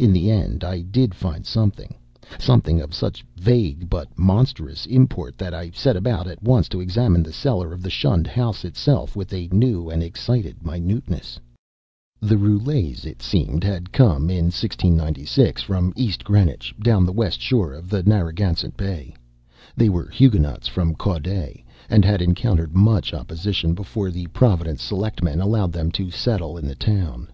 In the end I did find something; something of such vague but monstrous import that I set about at once to examine the cellar of the shunned house itself with a new and excited minuteness. The Roulets, it seemed, had come in 1696 from East Greenwich, down the west shore of Narragansett Bay. They were Huguenots from Caude, and had encountered much opposition before the Providence selectmen allowed them to settle in the town.